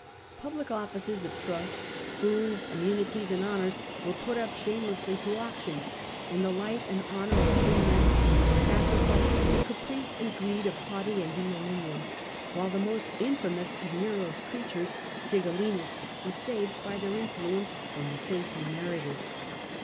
Public offices of trust, boons, immunities, and honours were put up shamelessly to auction, and the life and honour of free men were sacrificed to the caprice and greed of haughty and venal minions, while the most infa mous of Nero's creatures, Tigellinus, was saved by their influence from the fate he merited. 126 The Earlier Empire, A.D.